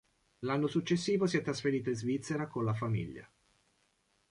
L'anno successivo si è trasferito in Svizzera con la famiglia.